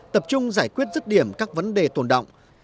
tập trung giải quyết rứt điểm các vấn đề tồn động